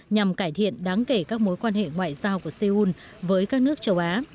nhằm cải thiện đáng kể các mối quan hệ ngoại giao của seoul với các nước châu á